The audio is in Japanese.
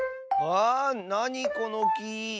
あなにこのき？